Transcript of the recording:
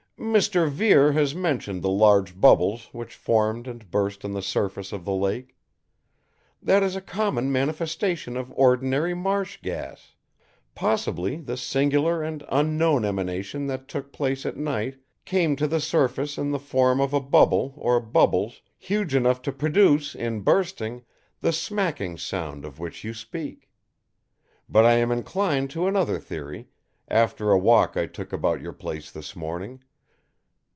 "Mr. Vere has mentioned the large bubbles which formed and burst on the surface of the lake. That is a common manifestation of ordinary marsh gas. Possibly the singular and unknown emanation that took place at night came to the surface in the form of a bubble or bubbles huge enough to produce in bursting the smacking sound of which you speak. But I am inclined to another theory, after a walk I took about your place this morning.